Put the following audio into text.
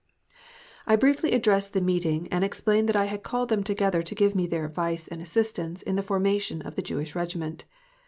I briefly addressed the meeting and explained that I had called them together to give me their advice and assistance in the formation of the Jewish Regiment.